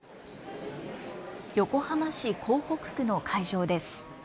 横浜市港北区の会場です。